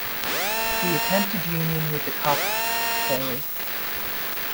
The attempted union with the Copts failed.